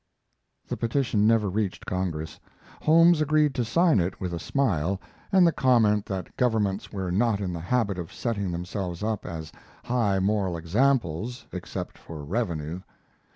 The petition never reached Congress. Holmes agreed to sign it with a smile, and the comment that governments were not in the habit of setting themselves up as high moral examples, except for revenue.